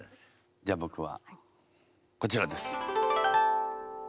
じゃあ僕はこちらです。